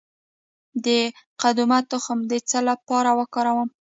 د قدومه تخم د څه لپاره وکاروم؟